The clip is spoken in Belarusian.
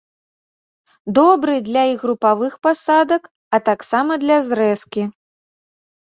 Добры для і групавых пасадак, а таксама для зрэзкі.